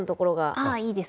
ああいいです。